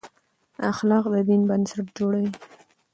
اخلاق د دین بنسټ جوړوي.